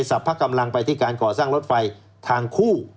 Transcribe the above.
สรรพกำลังไปที่การก่อสร้างรถไฟทางคู่